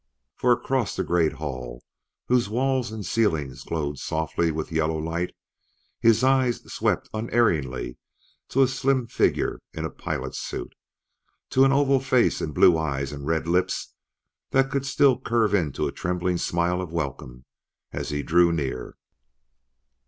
For, across the great hall, whose walls and ceilings glowed softly with yellow light, his eyes swept unerringly to a slim figure in a pilot's suit to an oval face and blue eyes and red lips that could still curve into a trembling smile of welcome as he drew near.